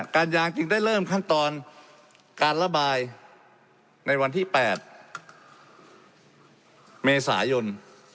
การยางจึงได้เริ่มขั้นตอนการระบายในวันที่๘เมษายน